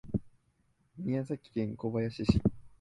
宮崎県小林市